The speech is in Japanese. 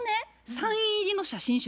サイン入りの写真集。